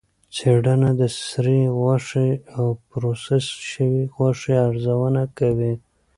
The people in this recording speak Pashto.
څېړنه د سرې غوښې او پروسس شوې غوښې ارزونه کوي.